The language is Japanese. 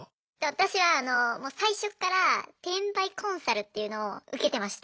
私はもう最初っから転売コンサルっていうのを受けてました。